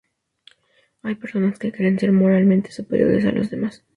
Hay personas que creen ser moralmente superiores a los demás